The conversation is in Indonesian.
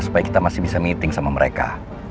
supaya kita masih bisa meeting sama mereka